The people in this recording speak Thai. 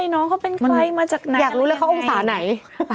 น้องเขาเป็นใครมาจากไหนอยากรู้เลยเขาองศาไหน